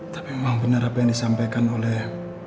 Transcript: tapi memang benar apa yang disampaikan oleh